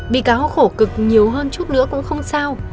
bị cáo khổ cực nhiều hơn chút nữa cũng không sao